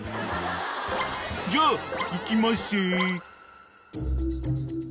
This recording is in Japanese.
［じゃあいきまっせ！］